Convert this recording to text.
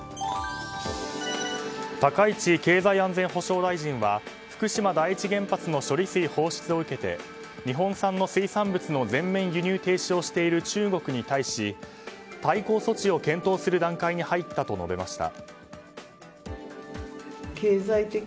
高市経済安全保障大臣は福島第一原発の処理水放出を受けて日本産の水産物の全面輸入禁止をしている中国に対し、対抗措置を検討する段階に入ったと述べました。